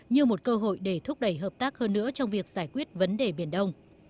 như một cơ hội để thúc đẩy hợp tác hơn nữa trong việc giải quyết vấn đề biển đông